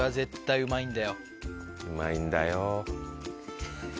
うまいんだ。